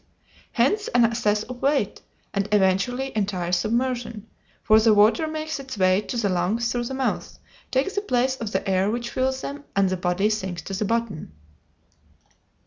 Hence an excess of weight, and eventually entire submersion, for the water makes its way to the lungs through the mouth, takes the place of the air which fills them, and the body sinks to the bottom.